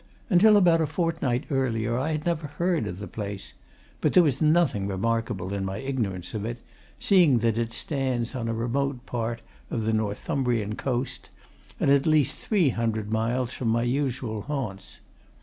Until about a fortnight earlier I had never heard of the place, but there was nothing remarkable in my ignorance of it, seeing that it stands on a remote part of the Northumbrian coast, and at least three hundred miles from my usual haunts.